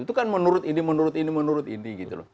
itu kan menurut ini menurut ini menurut ini gitu loh